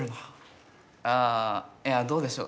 あいやどうでしょう。